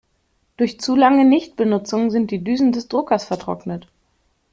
Durch zu lange Nichtbenutzung sind die Düsen des Druckers vertrocknet.